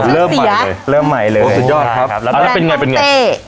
เริ่มใหม่เลยเริ่มใหม่เลยโอ้สุดยอดครับแล้วเป็นไงเป็นไง